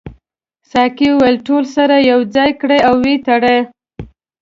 ساقي وویل ټول سره یو ځای کړئ او وتړئ.